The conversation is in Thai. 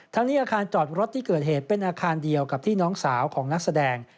นี้อาคารจอดรถที่เกิดเหตุเป็นอาคารเดียวกับที่น้องสาวของนักแสดง